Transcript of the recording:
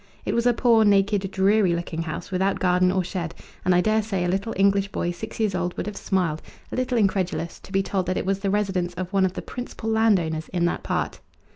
It was a poor, naked, dreary looking house without garden or shade, and I dare say a little English boy six years old would have smiled, a little incredulous, to be told that it was the residence of one of the principal land owners in that part.